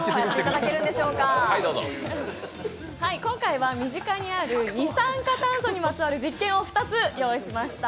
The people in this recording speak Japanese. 今回は身近にある二酸化炭素にまつわる実験を２つ用意しました。